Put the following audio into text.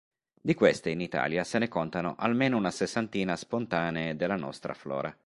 Di queste in Italia se ne contano almeno una sessantina spontanee della nostra flora.